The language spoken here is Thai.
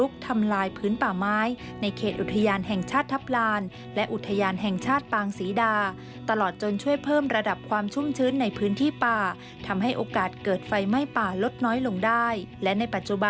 สามารถส่งให้กับพี่น้องชาวจังหวัดปลาจินบุรีนะครับ